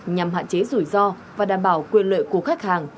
nhằm hạn chế rủi ro và đảm bảo quyền lợi của khách hàng